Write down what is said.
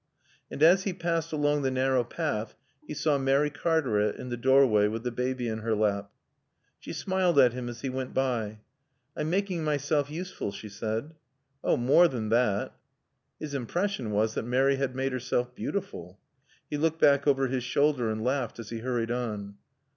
And as he passed along the narrow path he saw Mary Cartaret in the doorway with the baby in her lap. She smiled at him as he went by. "I'm making myself useful," she said. "Oh, more than that!" His impression was that Mary had made herself beautiful. He looked back over his shoulder and laughed as he hurried on.